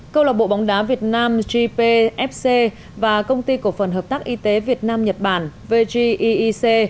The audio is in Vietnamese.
câu lạc bộ bóng đá việt nam gpfc và công ty cổ phần hợp tác y tế việt nam nhật bản vgic